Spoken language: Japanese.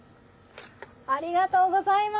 ありがとうございます。